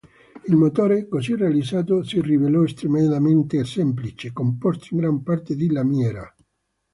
Il motore così realizzato si rivelò estremamente semplice, composto in gran parte di lamiera.